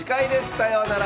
さようなら。